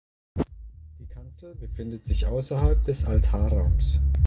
Die Kanzel befindet sich außerhalb des Altarraums.